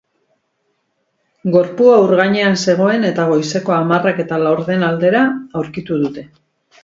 Gorpua ur gainean zegoen eta goizeko hamarrak eta laurden aldera aurkitu dute.